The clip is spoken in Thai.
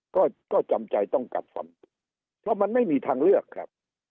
ก็ก็จำใจต้องกัดฟันเพราะมันไม่มีทางเลือกครับ